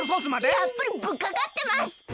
たっぷりぶっかかってます！